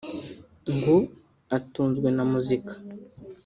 ngo atunzwe na muzika